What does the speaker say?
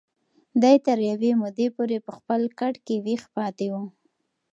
دی تر یوې مودې پورې په خپل کټ کې ویښ پاتې و.